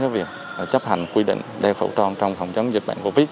việc chấp hành quy định đeo khẩu trang trong phòng chống dịch bệnh covid